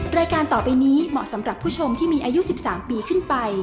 รายการต่อไปนี้เหมาะสำหรับผู้ชมที่มีอายุ๑๓ปีขึ้นไป